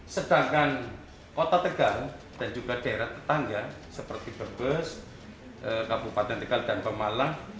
sedangkan kota tegal dan juga daerah tetangga seperti berbes kabupaten tegal dan pemalang